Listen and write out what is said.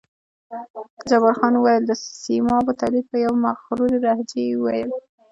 جبار خان وویل: د سیمابو تولید، په یوې مغرورې لهجې یې وویل.